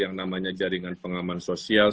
yang namanya jaringan pengaman sosial